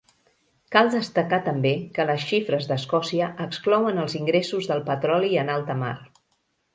Cal destacar també que les xifres d'Escòcia exclouen els ingressos del petroli en alta mar.